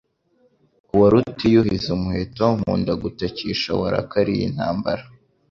wa Rutiyuhiza umuheto nkunda gutakisha warakaliye intambara